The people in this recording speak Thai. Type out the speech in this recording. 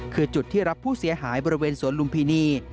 คือจุดที่รับผู้เสียหายบริเวณสวนลุมพินี